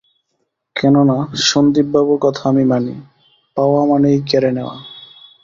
কেননা, সন্দীপবাবুর কথা আমি মানি, পাওয়া মানেই কেড়ে নেওয়া।